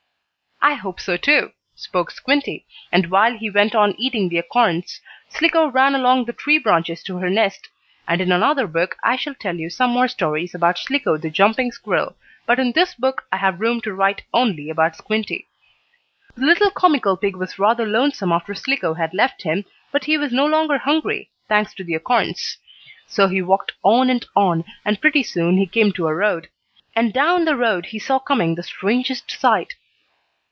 "I hope so, too," spoke Squinty, and while he went on eating the acorns, Slicko ran along the tree branches to her nest. And in another book I shall tell you some more stories about "Slicko, the Jumping Squirrel," but in this book I have room to write only about Squinty. The little comical pig was rather lonesome after Slicko had left him, but he was no longer hungry, thanks to the acorns. So he walked on and on, and pretty soon he came to a road. And down the road he saw coming the strangest sight.